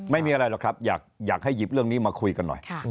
ไม่มีอะไรหรอกครับอยากให้หยิบเรื่องนี้มาคุยกันหน่อย